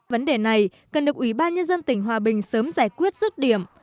vấn đề này cần được ủy ban nhân dân tỉnh hòa bình sớm giải quyết rứt điểm